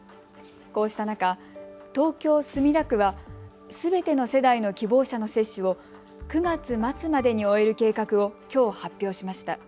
こうした中、東京墨田区はすべての世代の希望者の接種を９月末までに終える計画をきょう発表しました。